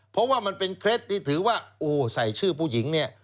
เพราะว่ามันเป็นเคล็ดที่ถือว่าโอ้ใส่ชื่อผู้หญิงเนี่ย